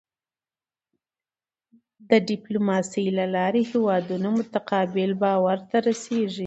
د ډیپلوماسی له لارې هېوادونه متقابل باور ته رسېږي.